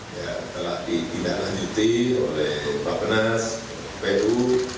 yang telah ditindaklanjuti oleh bapak penas pu